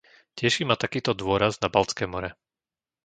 Teší ma takýto dôraz na Baltské more.